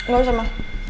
gak usah ma